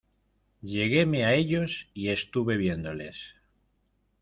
lleguéme a ellos y estuve viéndoles.